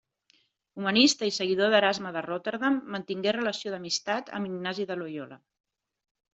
Humanista i seguidor d'Erasme de Rotterdam mantingué relació d'amistat amb Ignasi de Loiola.